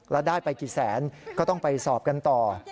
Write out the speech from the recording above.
แล้วได้ไปกี่แสนก็ต้องไปสอบกันต่อ